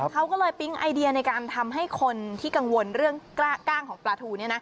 เขาก็เลยปิ๊งไอเดียในการทำให้คนที่กังวลเรื่องกล้างของปลาทู